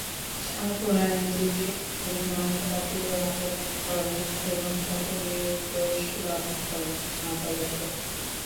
সাকুর আইনজীবী রিমান্ড বাতিলের আবেদন করেন এবং তাঁকে নির্দোষ দাবি করেন আদালতে।